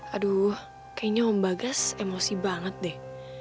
aduh kayaknya om bagas emosi banget deh